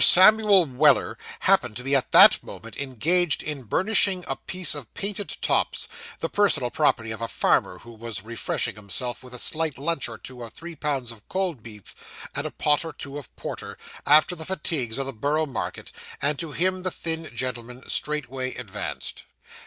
Samuel Weller happened to be at that moment engaged in burnishing a pair of painted tops, the personal property of a farmer who was refreshing himself with a slight lunch of two or three pounds of cold beef and a pot or two of porter, after the fatigues of the Borough market; and to him the thin gentleman straightway advanced.